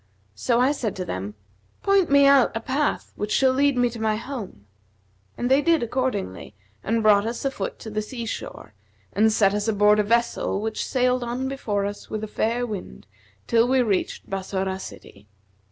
So I said to them, 'Point me out a path which shall lead me to my home,' and they did accordingly, and brought us a foot to the sea shore and set us aboard a vessel which sailed on before us with a fair wind, till we reached Bassorah city.